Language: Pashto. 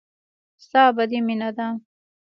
ستا ابدي مينه ده.